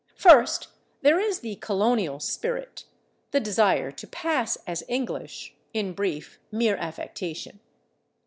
First, there is the colonial spirit, the desire to pass as English in brief, mere affectation.